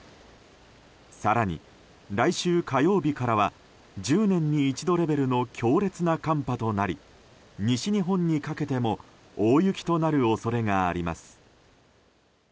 更に来週火曜日からは１０年に一度レベルの強烈な寒波となり西日本にかけても大雪となる恐れがあります。